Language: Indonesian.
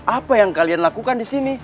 apa yang kalian lakukan disini